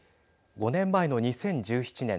５年前の２０１７年